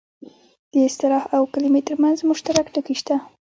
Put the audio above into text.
د اصطلاح او کلمې ترمنځ مشترک ټکي شته